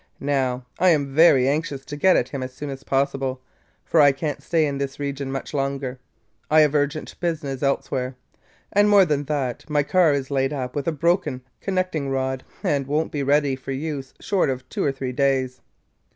Now, I 'm very anxious to get at him as soon as possible, for I can't stay in this region much longer. I have urgent business elsewhere. And more than that, my car is laid up with a broken connecting rod and won't be ready for use short of two or three days.